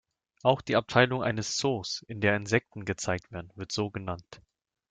Auch die Abteilung eines Zoos, in der Insekten gezeigt werden, wird so genannt.